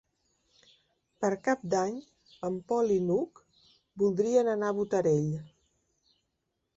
Per Cap d'Any en Pol i n'Hug voldrien anar a Botarell.